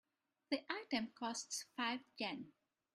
The item costs five Yen.